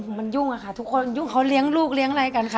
มันยุ่งอะค่ะทุกคนยุ่งเขาเลี้ยงลูกเลี้ยงอะไรกันค่ะ